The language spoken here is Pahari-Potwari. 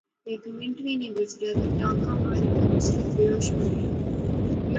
ہیک منٹ نی گزریا تے ٹانکا ماری تے نصرت بیہوش ہوئی گئی